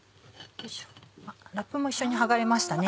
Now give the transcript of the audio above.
ラップも一緒に剥がれましたね。